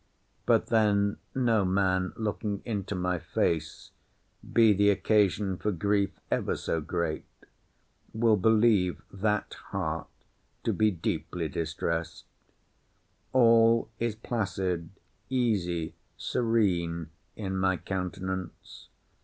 But then, no man looking into my face, be the occasion for grief ever so great, will believe that heart to be deeply distressed. All is placid, easy, serene, in my countenance.